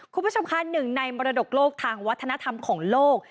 คุณผู้ชมค่ะหนึ่งในมรดกโลกทางวัฒนธรรมของโลก